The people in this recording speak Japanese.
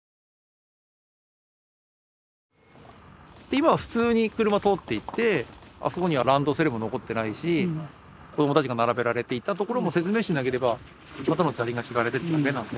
今は普通に車通っていてあそこにはランドセルも残ってないし子供たちが並べられていた所も説明しなければただの砂利が敷かれているだけなので。